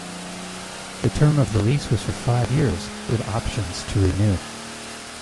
The term of the lease was for five years, with options to renew.